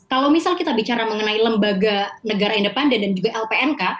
kalau misal kita bicara mengenai lembaga negara independen dan juga lpnk